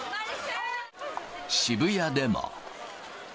渋谷でも。